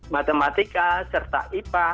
matematika serta ipa